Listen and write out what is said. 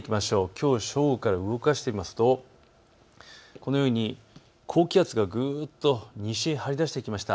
きょう正午から動かしてみますとこのように高気圧がぐっと西へ張り出してきました。